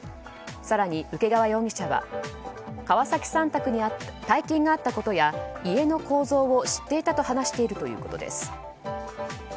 更に、請川容疑者は川崎さん宅に大金があったことや家の構造を知っていたと話しているということです。